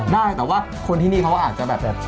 ได้แต่ว่าคนที่นี่เขาอาจจะแบบ